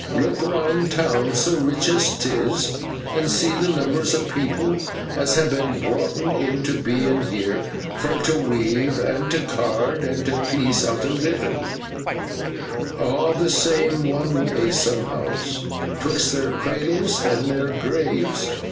Look round town—so rich as 'tis—and see the numbers o' people as has been broughten into bein heer, fur to weave, an' to card, an' to piece out a livin', aw the same one way, somehows, 'twixt their cradles and their graves.